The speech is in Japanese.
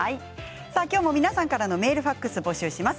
皆さんからのメールファックス募集します。